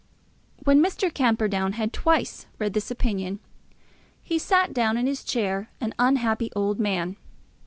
When Mr. Camperdown had thrice read this opinion, he sat in his chair an unhappy old man.